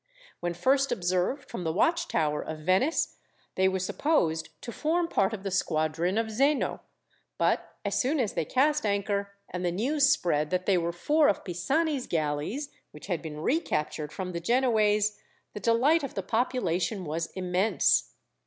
When first observed from the watchtower of Venice, they were supposed to form part of the squadron of Zeno, but as soon as they cast anchor, and the news spread that they were four of Pisani's galleys, which had been recaptured from the Genoese, the delight of the population was immense.